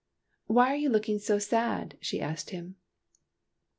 " Why are you looking so sad ?" she asked him.